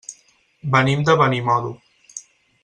Venim de Benimodo.